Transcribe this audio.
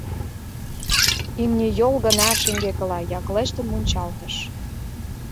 Имне йол гына шеҥгекыла яклештын мунчалтыш.